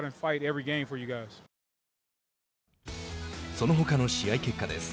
そのほかの試合結果です。